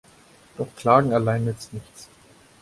Doch Klagen allein nützt nichts.